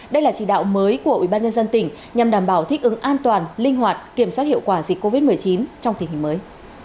đây là chỉ đạo mới của ubnd tỉnh nhằm đảm bảo thích ứng an toàn linh hoạt kiểm soát hiệu quả dịch covid một mươi chín trong tình hình mới